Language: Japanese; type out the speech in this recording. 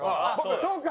そうか。